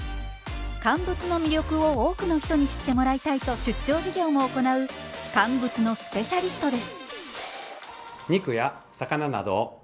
乾物の魅力を多くの人に知ってもらいたいと出張授業も行う乾物のスペシャリストです。